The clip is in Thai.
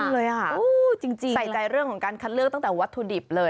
จริงใส่ใจเรื่องของการคัดเลือกตั้งแต่วัตถุดิบเลย